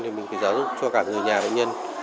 thì mình phải giáo dục cho cả người nhà bệnh nhân